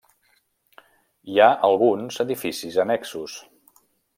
Hi ha alguns edificis annexos.